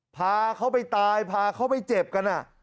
พาเขาไปตายพาเขาไปเจ็บกัน